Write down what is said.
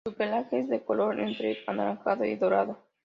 Su pelaje es de color entre anaranjado y dorado.